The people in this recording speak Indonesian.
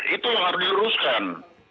itu yang harus diuruskan